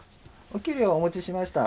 お給料をお持ちしました。